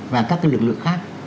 và các cái lực lượng khác